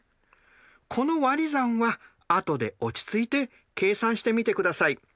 このわり算はあとで落ち着いて計算してみてください。